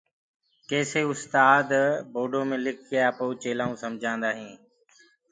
ڪيسي اُستآد بورڊو مي لکڪي چيلآئون سمجآدآ هين